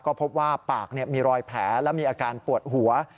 ก็พบว่าปากมีรอยแผลและมีอาการปวดหัว